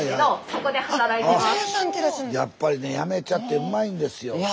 やっぱりね八女茶ってうまいんですよ。